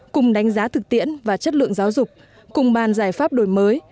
cùng đánh giá thực tiễn và chất lượng giáo dục cùng bàn giải pháp đổi mới